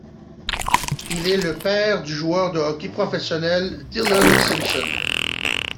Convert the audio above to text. Il est le père du joueur de hockey professionnel, Dillon Simpson.